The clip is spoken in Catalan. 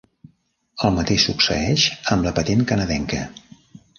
El mateix succeeix amb la patent canadenca.